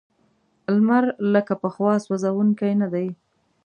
لمر لکه پخوا سوځونکی نه دی.